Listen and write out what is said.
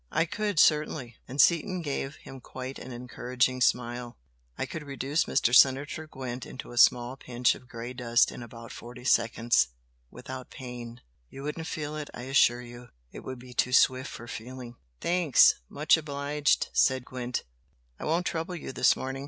"I could, certainly!" and Seaton gave him quite an encouraging smile "I could reduce Mr. Senator Gwent into a small pinch of grey dust in about forty seconds, without pain! You wouldn't feel it I assure you! It would be too swift for feeling." "Thanks! Much obliged!" said Gwent "I won't trouble you this morning!